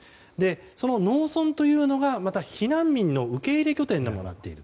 その農村というのがまた避難民の受け入れ拠点にもなっている。